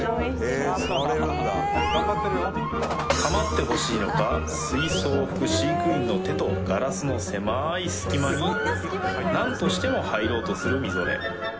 かまってほしいのか水槽を拭く飼育員の手とガラスの狭い隙間に何としても入ろうとするミゾレ